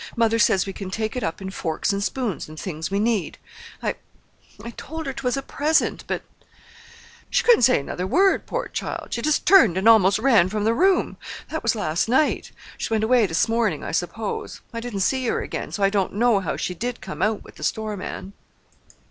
Mother says we can take it up in forks and spoons and things we need. I—I told her 'twas a present, but—' She couldn't say another word, poor child. She just turned and almost ran from the room. That was last night. She went away this morning, I suppose. I didn't see her again, so I don't know how she did come out with the store man."